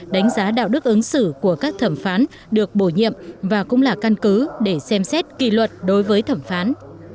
đánh giá đạo đức ứng xử của các thẩm phán được bổ nhiệm và cũng là căn cứ để xem xét kỳ luật đối với thẩm phán